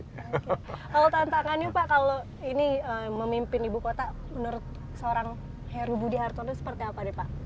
kalau tantangannya pak kalau ini memimpin ibu kota menurut seorang heru budi hartono seperti apa pak